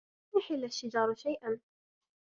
لن يحل الشجار شيئاً.